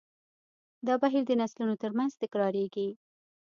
دا بهیر د نسلونو تر منځ تکراریږي.